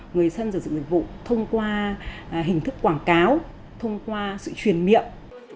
người dân sử dụng dịch vụ thông qua hình thức quảng cáo thông qua sự truyền miệng